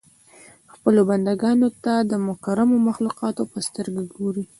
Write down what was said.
خپلو بنده ګانو ته د مکرمو مخلوقاتو په سترګه ګوري.